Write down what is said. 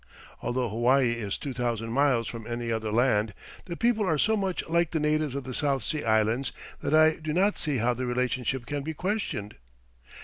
Although Hawaii is two thousand miles from any other land, the people are so much like the natives of the South Sea Islands that I do not see how the relationship can be questioned.